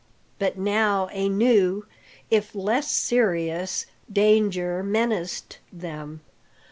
But now a new, if less serious, danger menaced them.